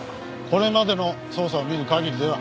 これまでの捜査を見る限りでは。